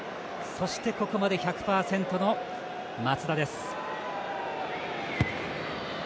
そして、ここまで１００％の松田です。